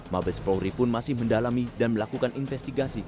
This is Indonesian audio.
mabes polri pun masih mendalami dan melakukan investigasi